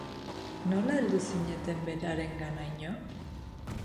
Nola heldu zineten berarenganaino?